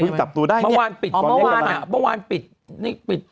พึ่งจับตัวได้เนี่ยตอนเย็นกับมันอ๋อเมื่อวานปิด